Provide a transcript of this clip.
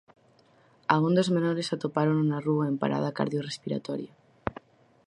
A un dos menores atopárono na rúa en parada cardiorrespiratoria.